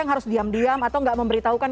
yang harus diam diam atau nggak memberitahukan